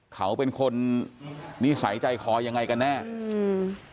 เขาเป็นคนนิสัยใจคอยังไงกันแน่อืม